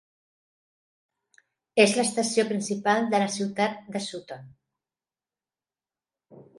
És l'estació principal de la ciutat de Sutton.